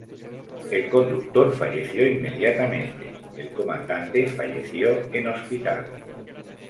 El conductor falleció inmediatamente; el comandante falleció en hospital.